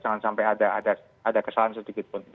jangan sampai ada kesalahan sedikit pun